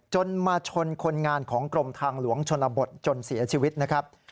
มาชนคนงานของกรมทางหลวงชนบทจนเสียชีวิตนะครับ